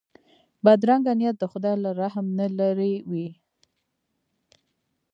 بدرنګه نیت د خدای له رحم نه لیرې وي